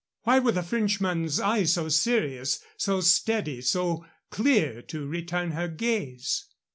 Why were the Frenchman's eyes so serious, so steady, so clear to return her gaze?